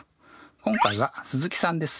今回は鈴木さんです。